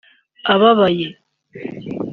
Ababaye